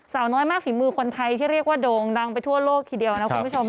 สาวน้อยมากฝีมือคนไทยที่เรียกว่าโด่งดังไปทั่วโลกทีเดียวนะคุณผู้ชม